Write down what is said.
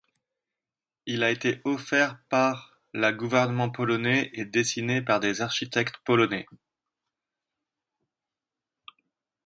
Il a été offert par la gouvernement polonais et dessiné par des architectes polonais.